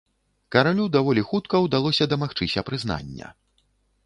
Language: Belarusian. Каралю даволі хутка ўдалося дамагчыся прызнання.